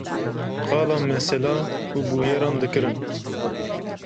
Qala mesela û bûyeran dikirin